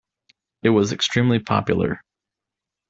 It was extremely popular.